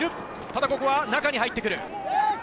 ただここは中に入ってくる。